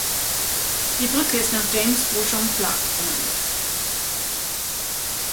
Die Brücke ist nach James Beauchamp Clark benannt.